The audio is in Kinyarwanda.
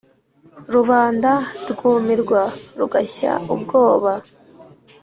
rubanda rwumirwa, rugashya ubwoba